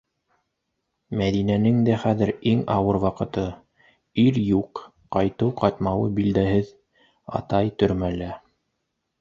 Мәҙинәнең дә хәҙер иң ауыр ваҡыты: ир юҡ, ҡайтыу-ҡайтмауы билдәһеҙ; атай төрмәлә.